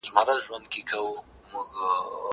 زه به سبا د کتابتوننۍ سره خبري وکړم!؟